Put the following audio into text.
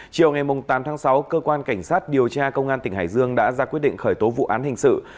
chiều ngày tám tháng sáu cơ quan cảnh sát điều tra công an tỉnh hải dương đã ra quyết định khởi tố vụ án hình sự